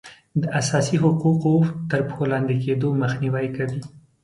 د اساسي حقوقو تر پښو لاندې کیدو مخنیوی کوي.